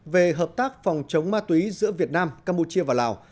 về hợp tác phòng chống ma túy giữa việt nam campuchia và lào